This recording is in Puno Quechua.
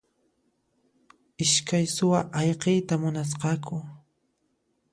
Iskay suwa ayqiyta munasqaku.